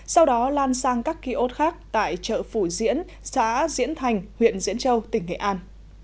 sau đó lan sang các kiosk khác tại chợ phủ diễn xã diễn thành huyện diễn châu tỉnh nghệ an